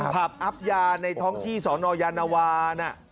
ผับอับยาในท้องที่สนยานวาน่ะ